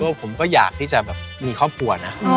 ตัวผมก็อยากที่จะมีครอบครัวนะ